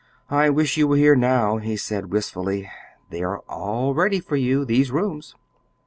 "I wish you were here now," he said wistfully. "They're all ready for you these rooms."